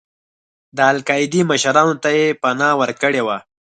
د القاعدې مشرانو ته یې پناه ورکړې وه.